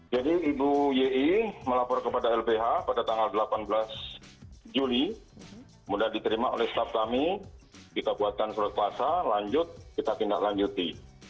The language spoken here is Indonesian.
jadi ibu yi melapor kepada lbh pada tanggal delapan belas juli mudah diterima oleh staff kami kita buatkan seluruh kuasa lanjut kita tindak lanjuti